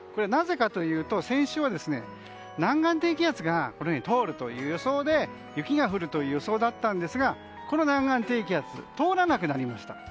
なぜかというと先週は南岸低気圧が通るという予想で雪が降るという予想だったんですがこの南岸低気圧が通らなくなりました。